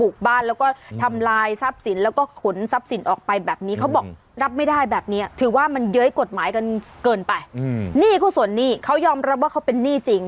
เกินไปหนี้ผู้ส่วนนี่เขายอมรับว่าเขาเป็นหนี้จริง